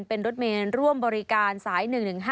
เป็นรถเมนร่วมบริการสาย๑๑๕